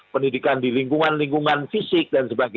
pendidikan di lingkungan lingkungan fisik dan sebagainya